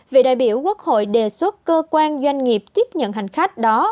vị đại biểu quốc hội đề xuất cơ quan doanh nghiệp tiếp nhận hành khách đó